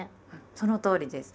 そのとおりです。